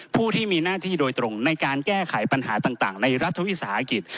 ผู้ที่มีหน้าที่โดยตรงในการแก้ไขปัญหาต่างในรัฐวิสาหกิจ